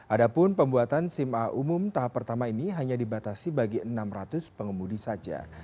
adapun pembuatan sim a umum tahap pertama ini hanya dibatasi bagi enam ratus pengemudi saja